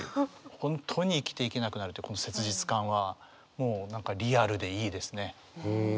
本当に生きていけなくなるというこの切実感はもう何かリアルでいいですね。